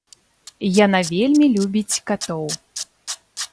Яна вельмі любіць катоў.